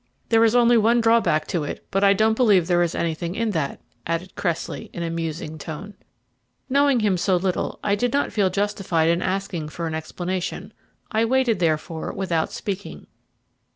There is only one drawback to it; but I don't believe there is anything in that," added Cressley in a musing tone. Knowing him so little I did not feel justified in asking for an explanation. I waited, therefore, without speaking.